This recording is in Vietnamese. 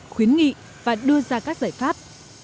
khuyến nghị và đưa ra các giải pháp